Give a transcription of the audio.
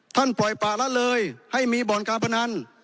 ปล่อยปะละเลยให้มีบ่อนการพนัน